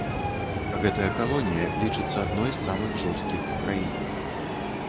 Гэтая калонія лічыцца адной з самых жорсткіх у краіне.